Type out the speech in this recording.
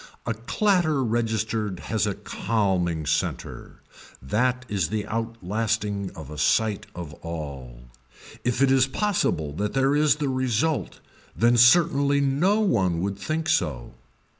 A clatter registered has a calming center. That is the outlasting of a sight of all. If it is possible that there is the result then certainly no one would think so.